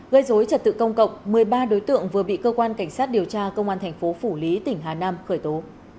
gây dối trật tự công cộng một mươi ba đối tượng vừa bị cơ quan cảnh sát điều tra công an thành phố phủ lý tỉnh hà nam khởi tố